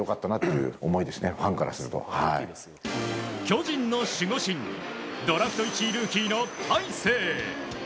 巨人の守護神ドラフト１位ルーキーの大勢。